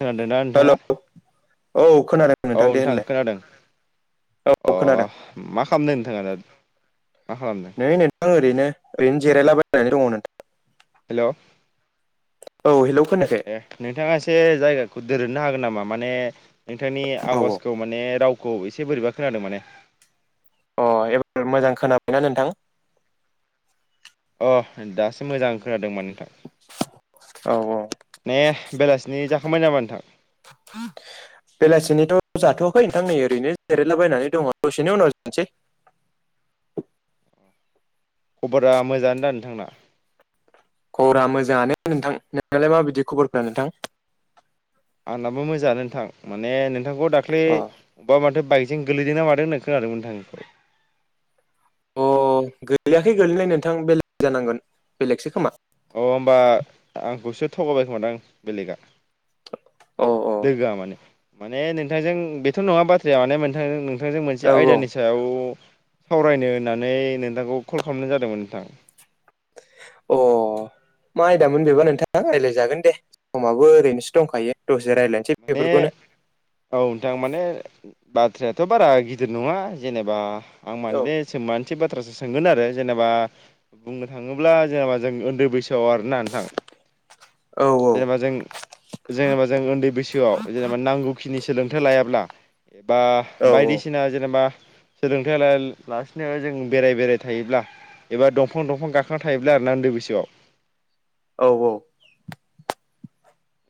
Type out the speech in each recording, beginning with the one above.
खोनादोंना हेलौ नोंथाङा औ खोनादों औ नोंथां दे होनलाय खोनादों अ औ खोनादों मा खालामदों नोंथाङा दा मा खालामदों नै नोंथां ओरैनो ओरैनो जिरायलाबायनानै दङ' नोंथां। हेल' औ हेलौ खोनायाखै ए नोंथाङा एसे जायगाखौ दोरोदनो हागोन नामा माने नोंथांनि औ औ आवाजखौ माने रावखौ एसे बोरैबा खोनादों माने अ एबार मोजां खोनाबायना नोंथां? अह दासो मोजां खोनादों मोन नोंथां। औ औ ने बेलासिनि जाखांबाय नामा नोंथां? [unintelligible] बेलासिनिथ' जाथ'वाखै नोंथां नै ओरैनो जिरायलाबायनानै दङ' दसेनि उनाव जानोसै खबरा मोजाङानो दा नोंथांना? खबरा मोजाङानो नोंथां नोंनाालाय माबायदि खबरफोरा नोंथां? आंनाबो मोजांआनो नोंथां माने नोंथांखौ दाख्लै अ बबेबा माथो बाइक जों गोलैदों ना मादों होननाय खोनादोंमोन थांखौ अ गोलैयाखै गोलैनाय नोंथां बेलेग जानांगोन बेलेगसो खोमा अ होनोमबा आंखौसो थगायबाय खोमादां बेलेगआ अ अ लोगोआ माने माने नोंथांजों बेथ' नङा बाथ्राया माने नोंथां नोंथांजों मोनसे औ आयदानि सायाव सावरायनो होननानै नोंथांखौ कल खालामनाय जादोंमोन नोंथां। अ मा आयदामोन बेबा नोंथां रायज्लायजागोन दे समाबो ओरैनोसो दंखायो दसे रायज्लायनोसै माने बेफोरखौनो औ नोंथां माने बाथ्रायाथ' बारा गिदिर नङा जेनेबा आं औ माने सोम मानसे बाथ्रा बाथ्रासो सोंगोन आरो जेनेबा बुंनो थाङोब्ला जेनेबा जों उन्दै बैसोआव आरोना नोंथां औ जेनेबा जों जेनेबा जों उन्दै बैसोआव जेनेबा नांगौ खिनि सोलोंथाइ लायाब्ला बा औ बायदिसिना जेनेबा सोलोंथाइ लाया लासिनो जों बेराय बेराय थायोब्ला एबा दंफां दंफां गाखोना थायोब्ला उन्दै बैसोआव औ औ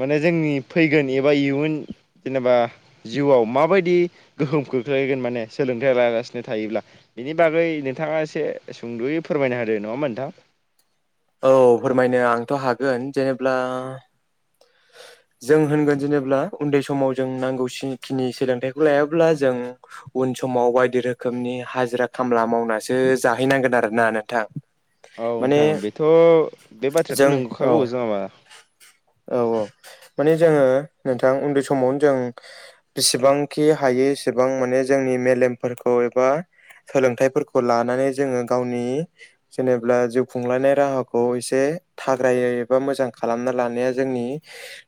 माने जोंनि फैगोन एबा इयुन जेनेबा जिउआव माबायदि गोहोम खोख्लैगोन माने सोलोंथाइ लागासिनो थायोब्ला बिनि बागै नोंथाङा एसे सुंद'यै फोरमायनो होदो दे नङा होमबा नोंथां औ फोरमायनो आंथ' हागोन जेनेब्ला [inaudible] जों होनगोन जेनेब्ला उन्दै समाव जों नांगौखिनि सोलोंथाइखौ लायाब्ला जों उन उन समाव बायदि रोखोमनि हाजिरा खामला मावनासो जाहैनांगोन आरोना नोंथां। औ माने नोंथां बेथ' बे बाथ्रायाथ' जों औ नोंगौखागौ जेनेबा औ औ माने जोङो नोंथां उन्दै सम समावनो जों बेसेबांखि हायो एसेबां माने जोंनि मेलेमफोरखौ एबा सोलोंथाइफोरखौ लानानै जोङो गावनि जेनेब्ला जिउ खुंलायनाय राहाखौ एसे थाग्रायै एबा मोजां खालामना लानाया जोंनि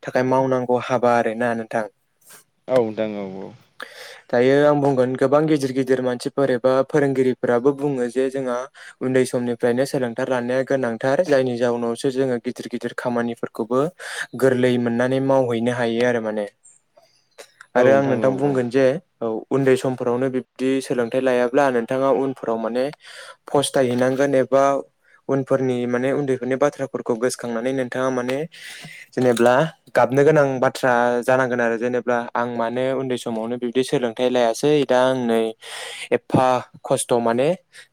थाखाय मावनांगौ हाबा आरोना नोंथां औ नोंथां औ औ। दायो आं बुंगोन गोबां गिदिर गिदिर मानसिफोर एबा फोरोंगिरिफोराबो बुङो जे जोंहा उन्दै उन्दै समनिफ्रायनो सोलोंथार लानाया गोनांथार जायनि जाउनावसो जोङो गिदिर गिदिर खामानिफो गोरलै मोननानै मावहैनो हायो आरो माने [inaudible] आरो आं औ नोंथां औ बुंगोन जे औ। उन्दै समफोरावनो बिब्दि सोलोंथायाइ लायाब्ला नोंथाङा उनफोराव माने फस्थायहैनांगोन ए बा उनफोरनि माने उन्दैफोरनि बाथ्राफोरखौ गोसोखांनानै नोंथाङा माने जेनेब्ला गाब बनो गोनां बाथ्रा जानांगोन आरो जेनेबा आं मानो उन्दै समावनो बिबदि सोलोंथाइ लायासै दा नै एफा खस्थ' माने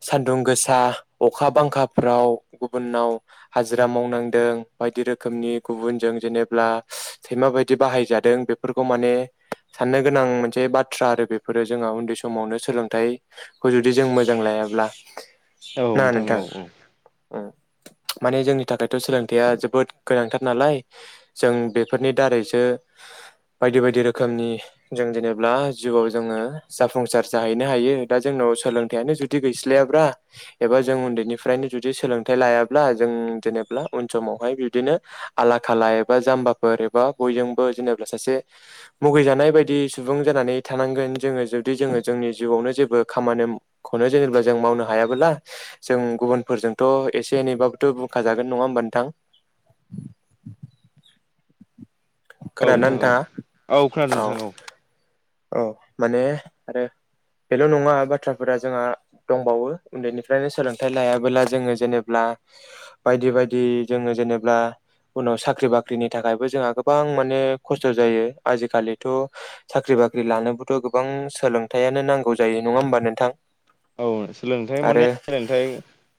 सानदुं गोसा अखा बांखाफ्राव गुबुनाव हाजिरा मावनाय नांदों बायदि रोखोमनि गुबुनजों जेनेब्ला सैमा बायदि बाहायजादों बेफोरखौ माने साननो। गोनां मोनसे बाथ्रा आरो बेफोरो जोंहा उन्दै समावनो सोलोंथाइखौ जुदि जों मोजां लायाब्ला औ ना नोंथां। औ औ माने जोंनि थाखायथ' सोलोंथाइया जोबोद गोनां [inaudible] बायदि बायदि रोखोमनि जों जेनेबा जिउआव जोङो जाफुंसार जाहैनो हायो दा जोंनाव ब्ला एबा जों उन्दैनिफ्रायनो जुदि सोलोंथाइ लायाब्ला जों जेनेब्ला उन समावहाय बिदिनो आला खाला एबा जामबाफोर एबा बयजोंबो जेनेब्ला सासे मुैगैजानाय बाय दि सुबुं जानानै थानांगोन जोङो जुदि जोङो जोंनि जिउआवनो जेबो खामानिखौनो जेनेब्ला जों मा मावनो हायाबोला जों गुबुनफोरजोंथ' एसे एनैबाबोथ' बुंखा जागोन नङा होमबा नोंथां। [inaudible] औ खोनादोंना नोंथां नोंथाङा औ-औ खोनादों नोंथां औ। औ माने आरो बेल' नङा बाथ्राफोरा जोंहा दंबावो उन्दैनिफ्रायनो सोलोंथाइ लायाबोला जोङो जेनेब्ला बायदि-बायदि जोङो जेनेब्ला उनाव साख्रि बाख्रिनि थाखायबो जोंहा गोबां माने खस्थ' जायो आजिखालिथ' साख्रि बाख इ लानोबोथ' गोबां सोलोंथायाइयानो नांगौ जायो नङा होमबा नोंथां। औ सोलोंथाइ माने आरो सोलोंथाइ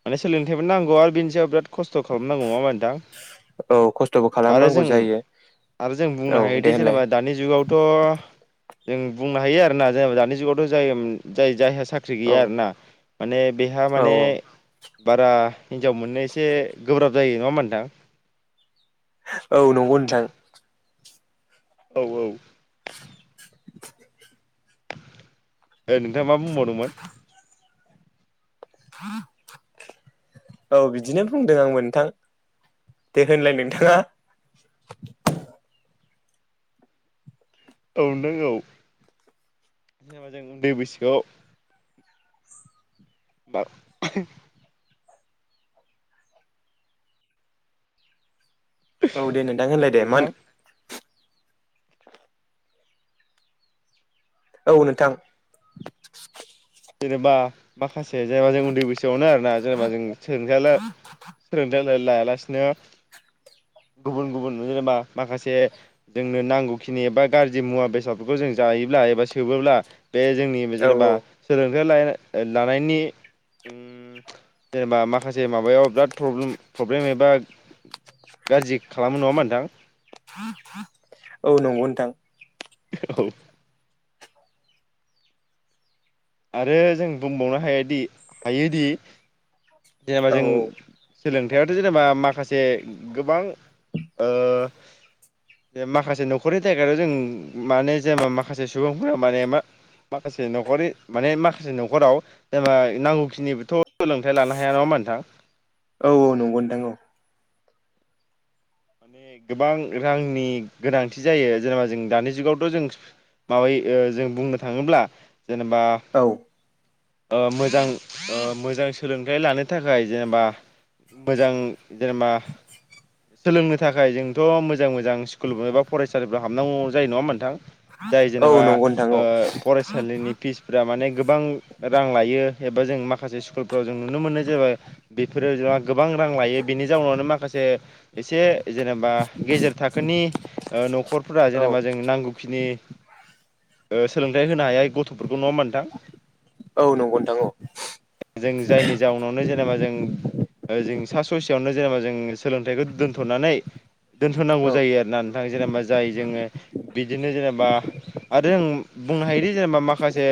माने सोलोंथाइबो नांगौ आरो बेनि सायाव बिराद खस्थ' खालामनांगौ नङामबा नोंथां। औ खस्थ'बो आरो खालामनांगौ जों जायो आरो जों बुंनो औ दे हायोदि होनलाय जेनेबा दानि जुगावथ' जों बुंनो हायो आरो ना जेनेबा दानि जुगावथ' जाय-जाय जायहा साख्रि औ गैया आरोना माने बेहा औ माने बारा हिनजाव मोननो एसे गोब्राब जायो नङामबा नोंथां। औ नंगौ नोंथां। औ-औ। ओ नोंथाङा मा बुंबावदोंमोन? औ बिदिनो बुंदों आंबो नोंथां। दे होनलाय नोंथाङा। औ नोंगौ जेनेबा जों उन्दै बैसोआव बा [unintelligible] औ दे नोंथां होनलाय दे मा होन नोंथां औ नोंथां। जेनेबा माखासे जेनेबा जों उन्दै बैसोआवनो आरोना जेनेबा जों सोंलोंथायानो सोलोंथाय ल-लायालासिनो गुबुन-गुबुन जेनेबा माखासे जोंनो नांगौखिनि एबा गाज्रि मुवा बेसादफोरखौ जों जायोब्ला एबा सोबोब्ला बे जोंनि औ जेनेबा औ सोलोंथाइ ला-लानायनि उम जेनेबा माखासे माबायाव बिराद प्रब्ले-प्रब्लेम एबा गाज्रि खालामो नङामा नोंथां। [inaudible] औ नंगौ नोंथां। औ। आरो जों बुंबावनो हायादि हायोदि जेनेबा औ जों सोलोंथायाथ' जेनेबा माखासे जे गोबां ओ माखासे न'खरनि जायगा जों माने जेनेबा माखासे सुबुंफोरा माने मा माखासे न'खरि माने माखासे न'खराव जेनेबा नांगौखिनिबोथ' सोलोंथाइ लानो हाया नाङामबा नोंथां। औ-औ नंगौनो दां औ। माने गोबां रांनि गोनांथि जायो जेनेबा जों दानि जुगावथ' जों माबाय जों बुंनो थाङोब्ला जेनेबा औ ओ मोजां ओ मोजां सोलोंथाइ लानो थाखाय जेनेबा मोजां जेनेबा सोलोंनो थाखाय जोंथ' मोजां-मोजां स्कुल एबा फरायसालिफोराव हाबनांगौ जायो नङामबा नोंथां। जाय औ जेनेबा नंगौ नोंथां ओ फरायसालिनि फिसफोरा माने गोबां रां लायो एबा जों माखासे स्कुलफ्राव जों नुनो मोनो जेब बेफोरो जों गोबां रां लायो बेनि जाउनावनो माखासे एसे। जेनेबा गेजेर थाखोनि ओ न'खरफोरा औ जेनेबा जों नांगौखिनि ओ सोलोंथाइ होनो हायै गथ'फोरखौ नङा होमबा नोंथां? औ नंगौ नोंथां जों जायनि जाउनावनो जेनेबा जों ओ जों फा ससेयावनो जेनेबा जों सोलोंथाइखौ दोन्थ'नानै दोनथ'नांगौ औ जायो आरोना नोंथां जेनेबा जाय जोङो बिदिनो जेनेबा आ जों बुंनो हायोदि जेनेबा मा खासे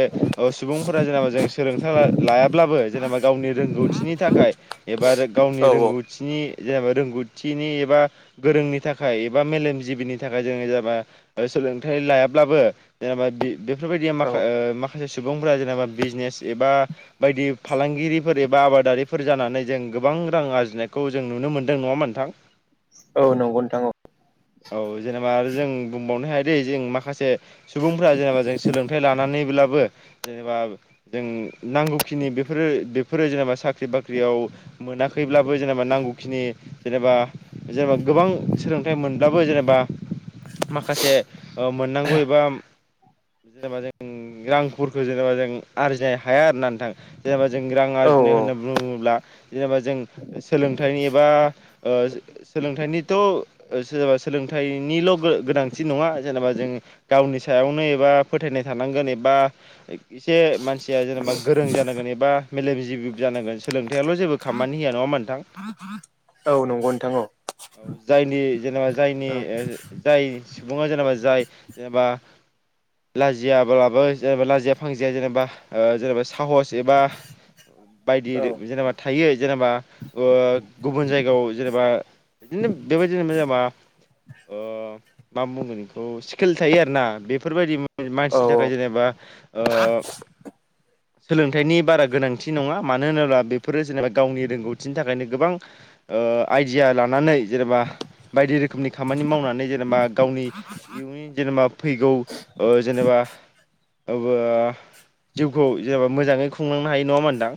ओ सुबुंफोरा जेनेबा जों सोलोंथाइ ला लायाब्लाबो जेनेबा गावनि रोंगौथिनि थाखाय एबा रो गावनि औ रोंगौथिनि जेनेबा रोंगौथिनि एबा गोरोंनि थाखाय एबा मेलेम जिबिनि थाखाय जोङो जेनेबा सोलोंथाइ लायाब्लाबो जेनेबा बेफोरबायदिया औ माखा ओ मा खासे सुबुंफोरा जेनेबा बिजनेस एबा बायदि फालांगिरिफोर एबा आबादारिफोर जानानै जों गोबां रां आरजिनायखौ जों नुनो मोनदों नङा होमबा नोंथां? नोंगौ नोंथां औ। औ जेनेबा आरो जों बुंबावनो हायो दै जों माखासे सुबुंफोरा जेनेबा जों सोलोंथाइ लाना नैब्लाबो जेनेबा जों नांगौखिनि बेफोरो बेफोरो जेनेबा साख्रि बाख्रि याव मोनाखैब्लाबो जेनेबा नांगौखिनि जेनेबा जेनेबा गोबां सोलोंथाइ मोनब्लाबो जेनेबा माखासे ओ मोननांगौ एबा जेनेबा जों रांफोरखौ जेनेबा जों आरजिनो हाया आरोना नोंथां जेनेबा जों रां औ आरजिनो होनना बुङोब्ला जेनेबा जों सोलोंथाइनि एबा ओ सोलोंथाइनि थ ओ सोनोबा सोलोंथाइनिल' गो गोनांथि नङा जेनेबा जों गावनि सायावनो एबा बा फोथायनाय थानांगोन एबा एसे मानसिया जेनेबा गोरों जानांगोन एबा मेलेमजिबि जानांगोन सोलोंथाइयाल' जेबो खामानि होया नङा होमबा नोंथां? मा औ नोंगौ नोंथां औ। औ जायनि जेनेबा जायनि औ ओ जाय सुबुङा जेनेबा जाय जेनेबा लाजियाब्लाबो जेनेबा लाजिया फांजिया जेनेबा ओ जेनेबा साहस एबा बायदि औ जेनेबा थायो जेनेबा गुबुन ओ जायगायाव जेनेबा बिदिनो बेबायदिनो‌ जेनबा ओ मा बुंगोन बेखौ स्किल थायो आरोना बेफोरबायदि औ मानसिनि थाखाय जेनेबा ओ सोलोंथाइनि बारा गोनांथि नंङा मानो होनोब्ला बेफोरो जेनेबा गावनि रोंगौथिनि थाखायनो गोबां ओ आइदिया लानानै जेनेबा बायदि रोखोमनि खामानि मावनानै जेनेबा गावनि इयुननि जेनेबा फैगौ ओ जेनेबा बा अबो जिउखौ जेनेबा मोजांङै खुंलांनो हायो नंङा होमबा नोंथां?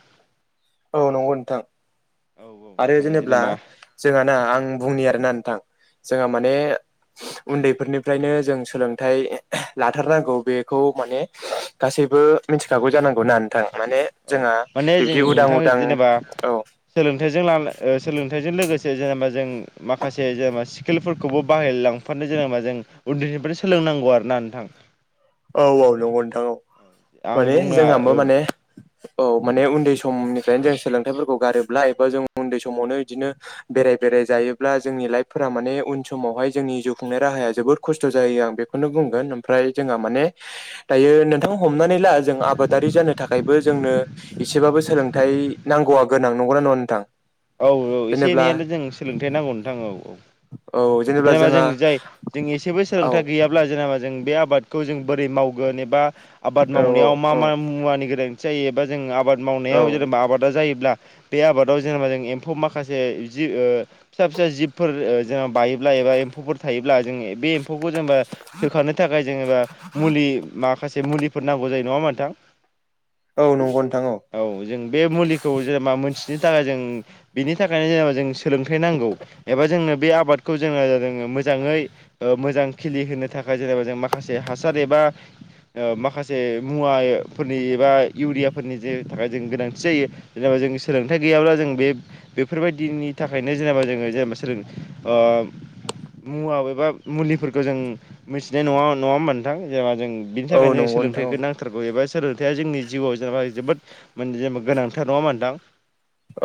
औ नोंगौ नोंथां। औ आरो नोंथां जेनेब्ला जेनेबा जोंहा ना आं बुंनि आरोना नोंथां जोंहा माने उन्दै फोरनिफ्रायनो जों सोलोंथाइ लाथारनांगौ बेखौ माने गासै बो मिथिखागौ जानांगौ ना नोंथां? माने औ जोंहा माने जों बिब्दि उदां उदां औ जों ला ओ सोलोंथाइजों लोगोसे जेनेबा जों माखासे जेनेबा स्किलफोरखौबो बाहायलांफानो जा जेनेबा जों उन्दैनिफ्रायनो सोलोंनांगौ आरो ना नोंथां। औ औ नोंगौ नोंथां औ आं माने बुंनो जोंहाबो माने औ माने उन्दै समनिफ्रायनो जों सोलोंथाइफोरखौ गारोब्ला एबा जों उन्दै समावनो बिदिनो बेराय बेराय जा योब्ला जोंनि लाइफफोरा माने उन समावहाय जोंनि जिउ खुंनाय राहाया जोबोद खस्थ' जायो आं बेखौनो बुंगोन ओम फ्राय जोंहा माने दायो नोंथां हमनानै ला जों आबादारि जानो थाखायबो जोंनो एसेबाबो सो सोलोंथाइ नांगौआ गोनां नोंगौ ना नंङा नोंथां? औ औ एसे जेनेब्ला एनैयानो जों सोलोंथाइ नांगौ नोंथां औ औ औ जेनेबा जोंहा जों जाय जों एसेबो औ सोलोंथाइ गैयाब्ला जेनेबा जों बे आबादखौ जों बोरै मावगोन एबा आबाद औ मावनायाव मा औ मा मुवानि गोनां जायो एबा जों आबाद मावनायाव जेनेबा औ आबादा जायोब्ला बे आबादाव जेनेबा जों एम्फौ माखासे जि फिसा फिसा जिबफोर जेनेबा बायो एबा एम्फौफोर थायोब्ला जो बे एम फौखौ जेनेबा सोखानो थाखाय जेनेबा मुलि मा माखासे मुलिफोर नांगौ जायो नंङा होनबा नोंथां? औ नंगौ नोंथां औ जों बे मुलिखौ जेनेबा मोनथिनो थाखाय जों बिनि थाखायनो जेनेबा जों सोलोंथाइ नांगौ एबा जोंनो बे आबाद खौ जो जोंङो जादोंङो मोजांयै ओ मोजां खिलिहोनो थाखाय जेनेबा जों माखासे हासार एबा ओ माखासे मुवा यो फोरनि एबा इउरियाफोरनि जे थाखाय जों गोनांथि जायो। जेनेबा जों सोलोंथाइ गैयाब्ला जों बे बेफोरबायदिनि थाखायनो जेनेबा जोंङो जेनेबा सोलों ओ मुवा एबा मुलिफोरखौ जों मिथिनाय नंङा नंङामोन नोंथां जेनबा जों बिनि औ थाखायनो जों नंगौ नोंथां औ सोलोंथाइखौ नांथारगौ एबा सोलोंथाइया जोंनि जिउआव जेनेबा जोबोद माने जेनेबा गोनांथार नंङा मानदां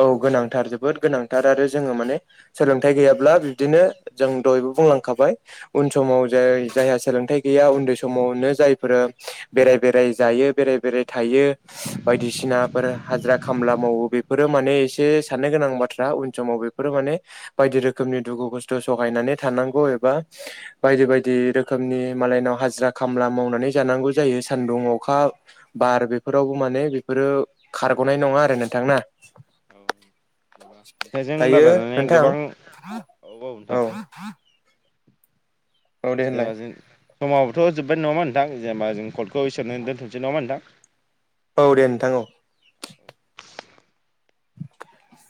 औ गोनांथार जोबोद गोनांथार जेनेबा आरो जोंङो माने सोलोंथाइ गैयाब्ला बिब्दिनो जों दयबो बुंलांखाबाय उन समाव जाय जायहा सोलोंथाइ गैया उन्दै समावनो जायफोरा बेराय बेराय जायो बेराय बेराय थायो। बायदिसिनाफोर हाजिरा खामला मावो बे फोरो माने एसे साननो गोनां बाथ्रा उन समाव बेफोरो माने बायदि रोखोमनि दुखु खस्थ सहायनानै ए थानांगौ एबा बायदि बायदि रोखोमनि मालायनाव हाजिरा खाम मावनानै जानांगौ जा यो सान्दुं अखा बार बेफोरावबो माने बेफोरो खारगनाय नंङा आरो नोंथां ना? दा जों दायो [unintelligible] नोंथां गोबां ब बाव औ नोंथां। औ दे होनलाय जेबा जो समाबबोथ जोब्बाय नंङा नोंथां जेनेबा जों कर्टखौ इसोरनो दोनथ'नोसै नंङा नोंथां? औ दे नोंथां औ [unintelligible]